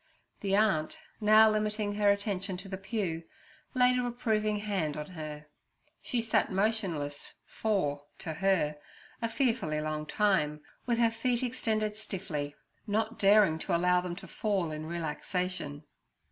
The aunt, now limiting her attention to the pew, laid a reproving hand on her. She sat motionless for, to her, a fearfully long time, with her feet extended stiffly, not daring to allow them to fall in relaxation.